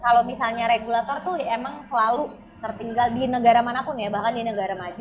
kalau misalnya regulator tuh emang selalu tertinggal di negara manapun ya bahkan di negara maju